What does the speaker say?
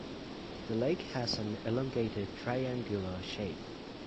The lake has an elongated triangular shape.